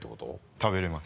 食べれます。